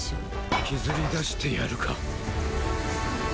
引きずり出してやるか。